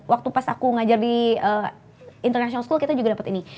waktu pas aku ngajar di international school kita juga dapat ini